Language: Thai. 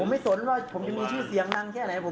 ไม่สนว่าผมจะมีชื่อเสียงดังแค่ไหน